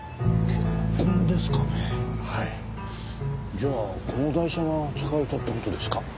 じゃあこの台車が使われたって事ですか？